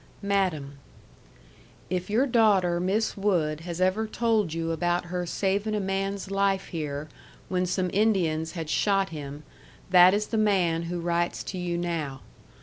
Madam: If your daughter Miss Wood has ever told you about her saving a man's life here when some Indians had shot him that is the man who writes to you now.